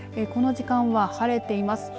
この時間は晴れています。